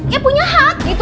ya punya hak gitu